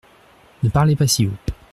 Ne parlez pas si haut.